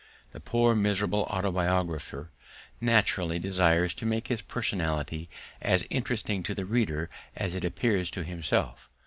The poor, miserable autobiographer naturally desires to make his personality as interesting to the reader as it appears to himself.